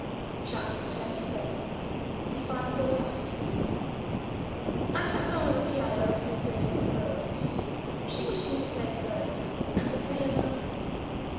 CHAPTER THE TWENTY SEVENTH He finds a Way out of it WE sat down at the piano, as Lucilla had proposed. She wished me to play first, and to play alone.